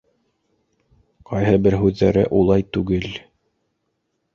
—Ҡайһы бер һүҙҙәре улай түгел.